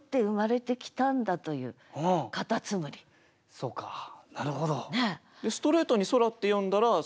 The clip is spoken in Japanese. そうかなるほど。